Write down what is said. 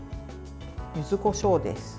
ゆずこしょうです。